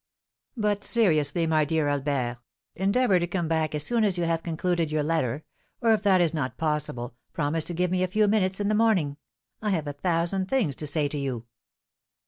"But seriously, my dear Albert, endeavour to come back as soon as you have concluded your letter; or, if that is not possible, promise to give me a few minutes in the morning. I have a thousand things to say to you."